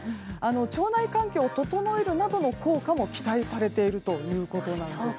腸内環境を整えるなどの効果も期待されているということなんです。